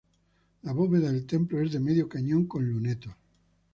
La bóveda del templo es de medio cañón con lunetos.